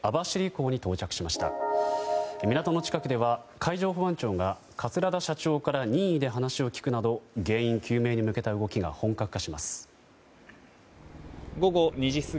港の近くでは海上保安庁が桂田社長から任意で話を聞くなど原因究明に向けた動きが本格化します。